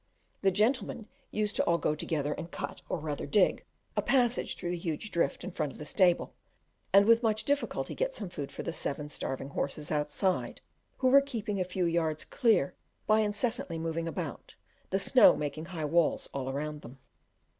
The gentlemen used to go all together and cut, or rather dig, a passage through the huge drift in front of the stable, and with much difficulty get some food for the seven starving horses outside, who were keeping a few yards clear by incessantly moving about, the snow making high walls all around them.